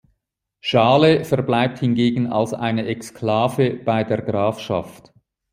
Schale verbleibt hingegen als eine Exklave bei der Grafschaft.